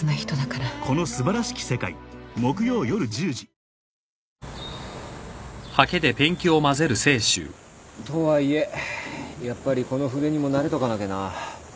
キリン「一番搾り」とはいえやっぱりこの筆にも慣れとかなきゃな。